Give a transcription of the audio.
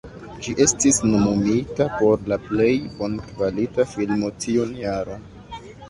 Ĝi estis nomumita por la Plej Bonkvalita Filmo tiun jaron.